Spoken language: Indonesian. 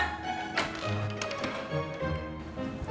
sama lebaran ya bang